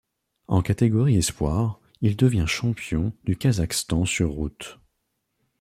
En catégorie espoirs, il devient champion du Kazakhstan sur route.